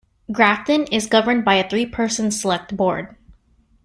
Grafton is governed by a three-person select board.